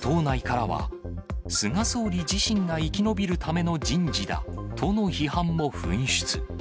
党内からは、菅総理自身が生き延びるための人事だとの批判も噴出。